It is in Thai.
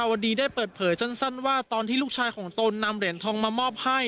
วันนี้ได้เปิดเผยสั้นว่าตอนที่ลูกชายของตนนำเหรียญทองมามอบให้